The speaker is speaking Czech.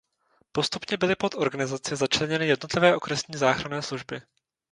Postupně byly pod organizaci začleněny jednotlivé okresní záchranné služby.